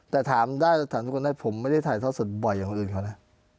แต่ถามทุกคนได้ผมไม่ได้ถ่ายทอดสดบ่อยอย่างอื่นค่ะนะ